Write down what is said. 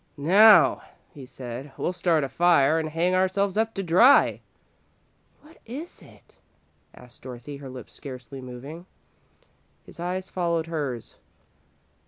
"Now," he said, "we'll start a fire and hang ourselves up to dry." "What is it?" asked Dorothy, her lips scarcely moving. His eyes followed hers.